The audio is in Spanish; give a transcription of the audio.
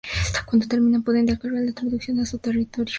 Cuando terminen, pueden descargar la traducción a su escritorio.